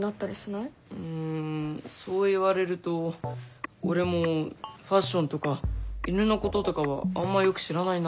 うんそう言われると俺もファッションとか犬のこととかはあんまよく知らないな。